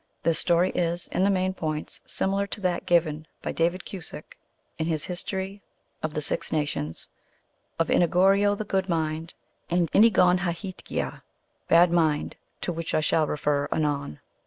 The story is, in the main points, similar to that given by David Cusick in his History of 18 THE ALGONQUIN LEGENDS. the Six Nations, of Enigorio the Good Mind, and Enigonhahetgea, Bad Mind, to which I shall refer anon.